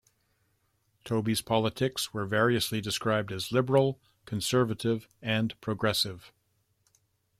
Tobey's politics were variously described as liberal, conservative, and progressive.